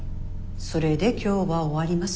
それで今日は終わります。